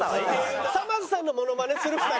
さまぁずさんのモノマネする２人？